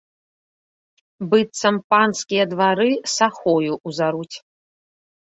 Быццам панскія двары сахою ўзаруць.